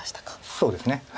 そうですね。